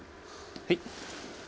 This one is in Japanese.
はい。